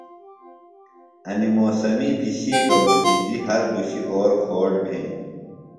انیۡ موسمی پِشِیکہ مُچِجیۡ ہر دُشی اور کھوٹ بھینیۡ۔